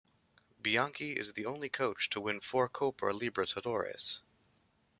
Bianchi is the only coach to win four Copa Libertadores.